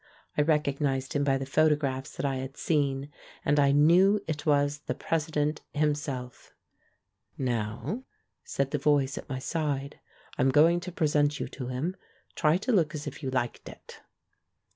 I recognised him by the photographs that I had seen — and I knew it was the President him self. "Now," said the voice at my side, "I'm going to present you to him. Try to look as if you liked it."